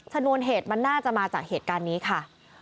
ชนวนเหตุมันน่าจะมาจากเหตุการณ์นี้ค่ะ